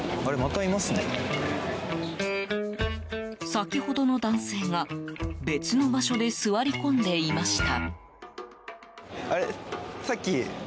先ほどの男性が別の場所で座り込んでいました。